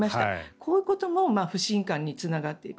こういうことも不信感につながっていく。